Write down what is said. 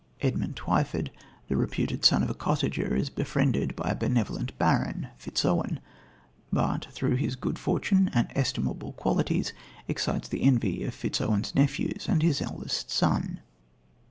Edmund Twyford, the reputed son of a cottager, is befriended by a benevolent baron Fitzowen, but, through his good fortune and estimable qualities, excites the envy of Fitzowen's nephews and his eldest son.